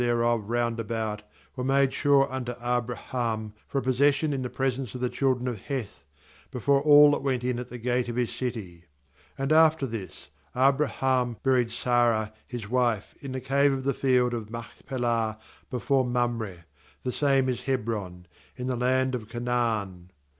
17 GENESIS of round about, were macta sure 18unto Abraham for a possession in the pres ence of the children of Heth, before all that went in at the gate of his city. 18And after this, Abraham buried Santh his wife in the cave of the field of Marhpelah before Mamre — the same is Hebron— in the land of Canaan.